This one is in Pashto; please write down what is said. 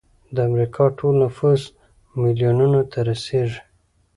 د امریکا ټول نفوس میلیونونو ته رسیږي.